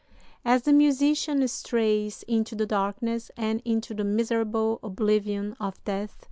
"As the musician strays into the darkness and into the miserable oblivion of death